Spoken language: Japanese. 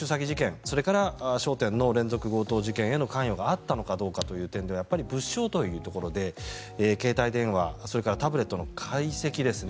それから焦点の連続強盗事件への関与があったのかという点ではやっぱり物証というところで携帯電話それからタブレットの解析ですね